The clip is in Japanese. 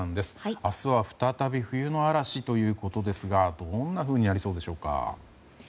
明日は再び冬の嵐ということですがどんなふうになりそうでしょうか。